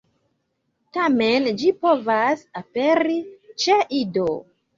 Tamen ĝi povas aperi ĉe ido.